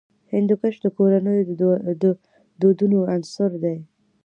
هندوکش د کورنیو د دودونو عنصر دی.